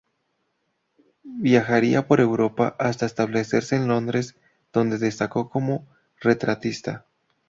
Viajaría por Europa hasta establecerse en Londres, donde destacó como retratista.